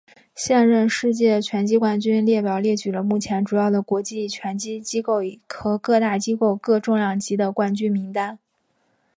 现任世界拳击冠军列表列举了目前主要的国际拳击机构和各大机构各重量级的冠军名单。